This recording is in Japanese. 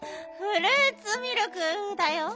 フルーツミルク。